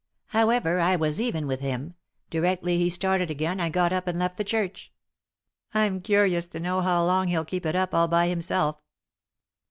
However, I was even with him. Directly he started again I got up and left the church. I'm curious to know how long hell keep it up all by himself."